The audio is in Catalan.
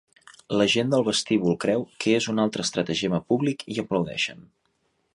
La gent del vestíbul creu que és un altre estratagema públic i aplaudeixen.